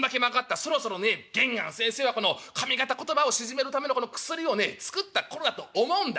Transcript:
そろそろね源庵先生はこの上方言葉を鎮めるための薬をね作った頃だと思うんだ。